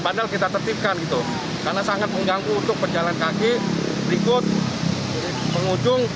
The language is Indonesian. padahal kita tertipkan itu karena sangat mengganggu untuk pejalan kaki berikut penghujung